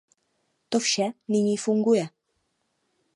To vše nyní funguje.